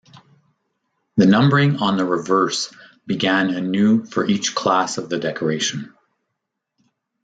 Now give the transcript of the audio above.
The numbering on the reverse began anew for each class of the decoration.